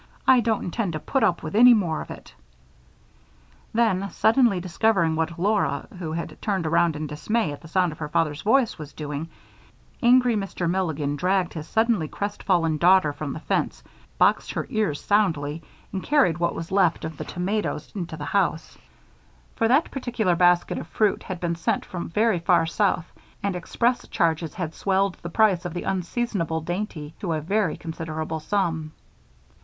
I don't intend to put up with any more of it." Then, suddenly discovering what Laura, who had turned around in dismay at the sound of her father's voice, was doing, angry Mr. Milligan dragged his suddenly crestfallen daughter from the fence, boxed her ears soundly, and carried what was left of the tomatoes into the house; for that particular basket of fruit had been sent from very far south and express charges had swelled the price of the unseasonable dainty to a very considerable sum.